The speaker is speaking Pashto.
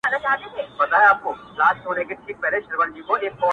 موږ د انسان او ماورالفطرت